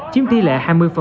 chiếm tỷ lệ hai mươi